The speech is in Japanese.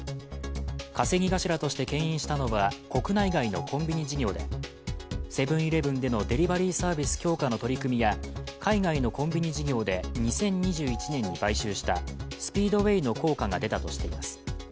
稼ぎ頭としてけん引したのは国内外のコンビニ事業でセブン−イレブンでのデリバリーサービス強化の取り組みや海外のコンビニ事業で２０２１年に買収したスピードウェイの効果が出たとしています。